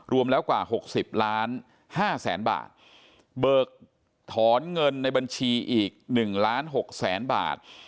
รวมแล้วกว่า๖๐ล้านห้าแสนบาทเบิกถอนเงินในบัญชีอีก๑ล้าน๖แสนบาท